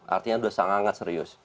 artinya sudah sangat serius